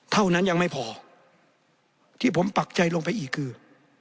เท่านั้นยังไม่พอที่ผมปักใจลงไปอีกคือ